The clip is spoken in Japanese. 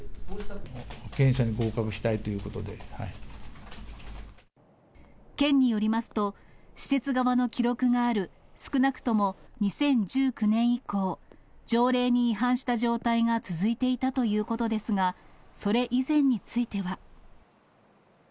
検査に合格したいということ県によりますと、施設側の記録がある少なくとも２０１９年以降、条例に違反した状態が続いていたということですが、それ以前については。